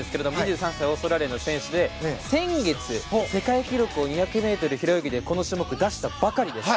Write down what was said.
２３歳、オーストラリアの選手で先月、世界記録を２００ｍ平泳ぎで出したばかりです。